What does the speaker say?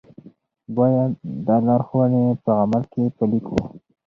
باید دا لارښوونې په عمل کې پلي کړو.